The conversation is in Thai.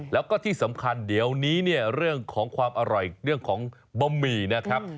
แล้วก็ที่สำคัญเดี๋ยวนี้เนี่ยเรื่องของความอร่อยเรื่องของบะหมี่นะครับ